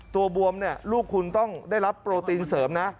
ตัวบวมลูกคุณต้องได้รับโปรตีนเสริมนะ